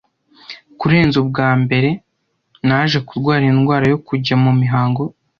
kurenza ubwa mbere, naje kurwara indwara yo kujya mu mihango